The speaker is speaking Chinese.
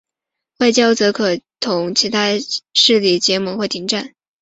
外交则可同其他势力结盟或停战。